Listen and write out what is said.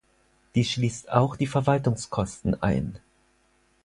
Dies schließt auch die Verwaltungskosten ein.